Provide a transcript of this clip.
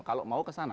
kalau mau ke sana